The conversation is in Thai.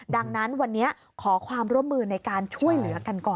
ดังนั้นวันนี้ขอความร่วมมือในการช่วยเหลือกันก่อน